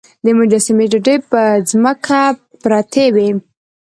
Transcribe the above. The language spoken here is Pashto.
د مجسمې ټوټې په ځمکه پرتې وې.